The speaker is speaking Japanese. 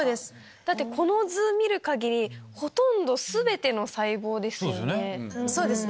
だってこの図見る限りほとんど全ての細胞ですよね。